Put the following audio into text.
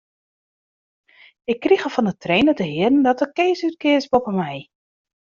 Ik krige fan 'e trainer te hearren dat er Kees útkeas boppe my.